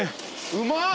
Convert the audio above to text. うまっ。